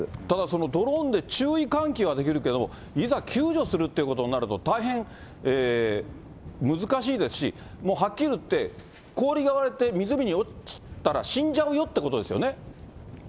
ただそのドローンで注意喚起はできるけれども、いざ救助するっていうことになると、大変難しいですし、もうはっきり言って、氷が割れて湖に落ちたら、死んじゃうよっていうことですよね。